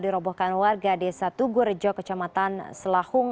dirobohkan warga desa tugurejo kecamatan selahung